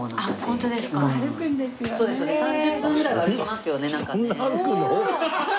そうですよね３０分ぐらいは歩きますよねなんかね。